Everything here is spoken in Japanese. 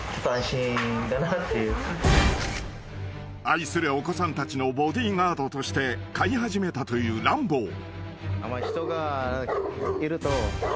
［愛するお子さんたちのボディーガードとして飼い始めたというランボー］